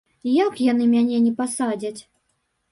Як яны мяне не пасадзяць?!